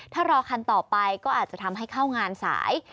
ถ้ารอคันต่อไปก็อาจจะทำให้เข้างานสาย